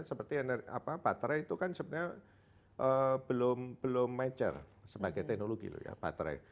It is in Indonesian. seperti baterai itu kan sebenarnya belum mature sebagai teknologi loh ya baterai